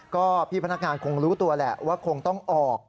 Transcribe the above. ก็พี่พนักงานคงรู้ตัวแหละว่าคงต้องออก